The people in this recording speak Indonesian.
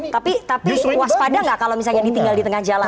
tapi waspada nggak kalau misalnya ditinggal di tengah jalan